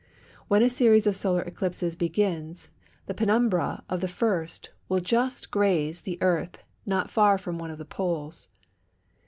When a series of solar eclipses begins, the penumbra of the first will just graze the earth not far from one of the poles.